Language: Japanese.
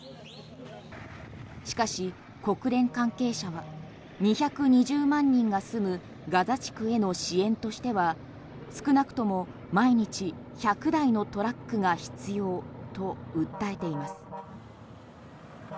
しかし国連関係者は２２０万人が住むガザ地区への支援としては少なくとも毎日１００台のトラックが必要と訴えています。